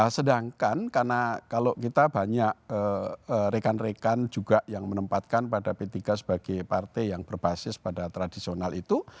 sedangkan karena kalau kita banyak rekan rekan juga yang menempatkan pada p tiga sebagai partai yang berbasis pada tradisional itu